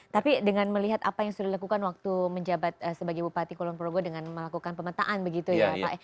tapi dengan melihat apa yang sudah dilakukan waktu menjabat sebagai bupati kulon progo dengan melakukan pemetaan begitu ya pak